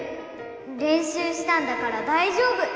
れんしゅうしたんだからだいじょうぶ！